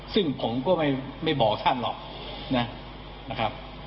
ซึ่งผมก็ไม่บอกท่านหรอกนะครับ